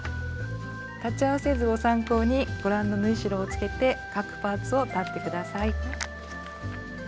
裁ち合わせ図を参考にご覧の縫い代をつけて各パーツを裁って下さい。